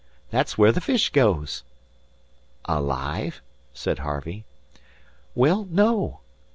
"That's where the fish goes." "Alive?" said Harvey. "Well, no.